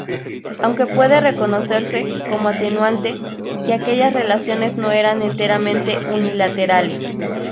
Aunque puede reconocerse, como atenuante, que aquellas relaciones no eran enteramente unilaterales.